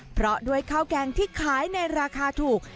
เพราะด้วยข้าวแกงที่ขายในราคาถูก